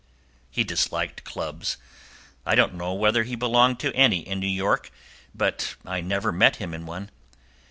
He disliked clubs; I don't know whether he belonged to any in New York, but I never met him in one.